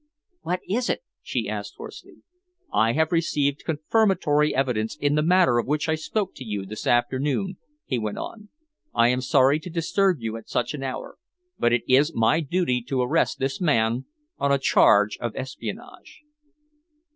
"What is it?" she asked hoarsely. "I have received confirmatory evidence in the matter of which I spoke to you this afternoon," he went on. "I am sorry to disturb you at such an hour, but it is my duty to arrest this man on a charge of espionage."